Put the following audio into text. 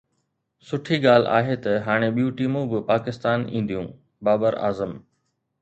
سٺي ڳالهه آهي ته هاڻي ٻيون ٽيمون به پاڪستان اينديون: بابر اعظم